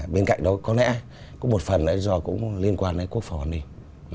bên cạnh đó có lẽ có một phần là do cũng liên quan đến quốc phòng hoàn minh